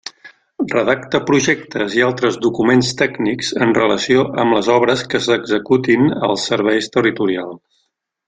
Redacta projectes i altres documents tècnics en relació amb les obres que s'executin als serveis territorials.